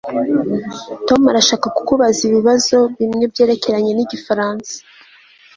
Tom arashaka kukubaza ibibazo bimwe byerekeranye nigifaransa